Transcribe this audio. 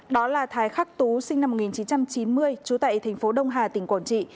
đó là thái khắc tú sinh năm một nghìn chín trăm chín mươi trú tại thành phố đông hà tỉnh quảng trị